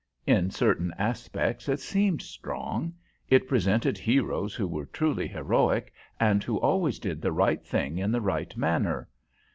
In certain aspects it seemed strong. It presented heroes who were truly heroic, and who always did the right thing in the right manner.